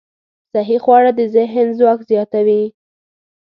صحي خواړه د ذهن ځواک زیاتوي.